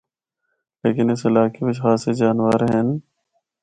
لیکن اس علاقے بچ خاصے جانور ہن۔